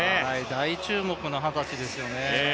大注目の二十歳ですよね。